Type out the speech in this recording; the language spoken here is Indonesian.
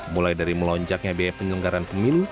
mulai dari melonjaknya biaya penyelenggaran pemilu